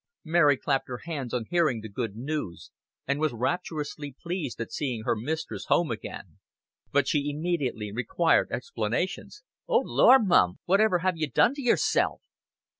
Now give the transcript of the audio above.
Mary clapped her hands on hearing the good news, and was rapturously pleased at seeing her mistress home again; but she immediately required explanations. "Oh, lor, mum, whatever have you done to yourself?"